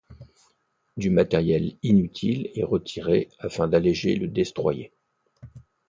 Du matériel inutile est retiré afin d'alléger le destroyer.